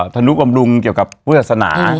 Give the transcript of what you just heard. ธนุบำรุงเกี่ยวกับเวลาศนา